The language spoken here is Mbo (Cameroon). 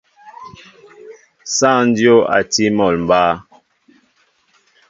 Sááŋ dyów a tí mol mba.